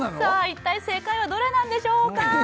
一体正解はどれなんでしょうか？